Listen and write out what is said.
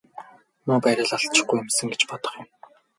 Муу байраа л алдчихгүй юмсан гэж бодох юм.